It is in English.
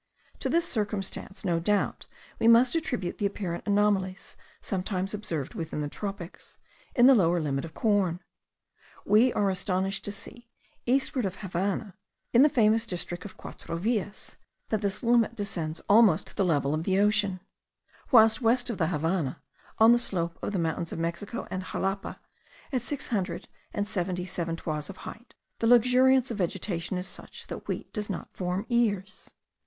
To this circumstance no doubt we must attribute the apparent anomalies sometimes observed within the tropics, in the lower limit of corn. We are astonished to see, eastward of the Havannah, in the famous district of Quatro Villas, that this limit descends almost to the level of the ocean; whilst west of the Havannah, on the slope of the mountains of Mexico and Xalapa, at six hundred and seventy seven toises of height, the luxuriance of vegetation is such, that wheat does not form ears.